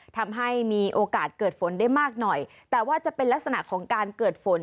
ทำให้มีโอกาสเกิดฝนได้มากหน่อยแต่ว่าจะเป็นลักษณะของการเกิดฝน